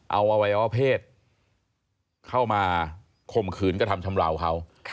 เอาอวัยวะเพศเข้ามาข่มขืนกระทำชำราวเขา